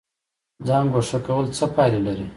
ځان ګوښه کول څه پایله لري؟